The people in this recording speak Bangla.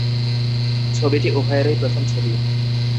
ছবিটি উভয়েরই প্রথম ছবি।